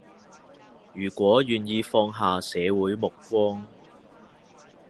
如果願意放下社會目光